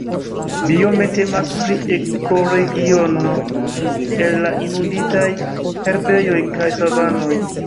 Biome temas pri ekoregiono el la inunditaj herbejoj kaj savanoj.